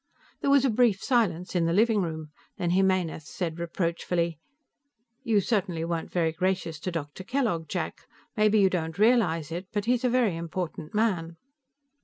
There was a brief silence in the living room. Then Jimenez said reproachfully: "You certainly weren't very gracious to Dr. Kellogg, Jack. Maybe you don't realize it, but he is a very important man."